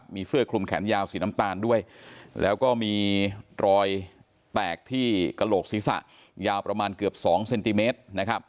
มีเสื้อคลุมแขนยาวสีน้ำตาลด้วยแล้วก็มีรอยแตกที่กระโหลกศีรษะยาวประมาณเกือบ๒เซนติเมตร